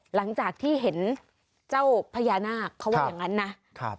หลังจากที่เห็นเจ้าพญานาคเขาว่าอย่างนั้นนะครับ